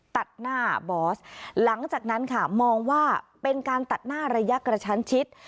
ตัดหน้าบอสหลังจากนั้นค่ะมองว่าเป็นการตัดหน้าระยะกระชั้นชิด